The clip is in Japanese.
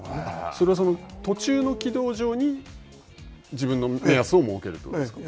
それは途中の軌道上に、自分の目安を設けるということですか。